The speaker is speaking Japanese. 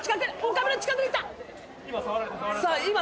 岡部の近くに行った！